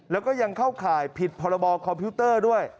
แล้วก็ยังเข้าข่ายผิดพรบคอมพิวเตอร์ด้วย